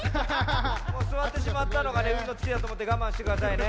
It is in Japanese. もうすわってしまったのがうんのつきだとおもってがまんしてくださいね。